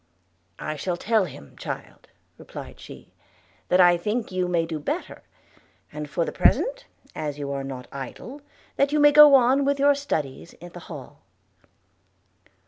'I shall tell him, child,' replied she, 'that I think you may do better; and for the present, as you are not idle, that you may go on with your studies at the Hall.'